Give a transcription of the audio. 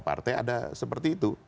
partai ada seperti itu